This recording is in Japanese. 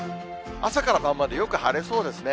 朝から晩までよく晴れそうですね。